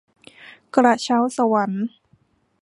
กระเช้าสวรรค์